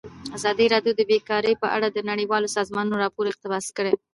ازادي راډیو د بیکاري په اړه د نړیوالو سازمانونو راپورونه اقتباس کړي.